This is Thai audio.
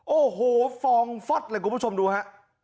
โอ้โหฟองฟอสนะครับคุณผู้ชมดูค่ะ